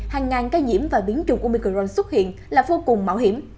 hàng ngàn ca nhiễm và biến chủng umicron xuất hiện là vô cùng mạo hiểm